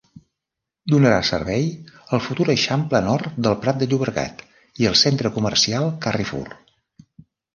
Donarà servei al futur Eixample Nord del Prat de Llobregat i al centre comercial Carrefour.